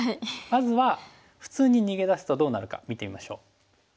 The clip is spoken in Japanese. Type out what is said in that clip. まずは普通に逃げ出すとどうなるか見てみましょう。